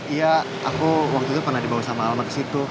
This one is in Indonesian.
iya aku waktu itu pernah dibawa sama alma kesitu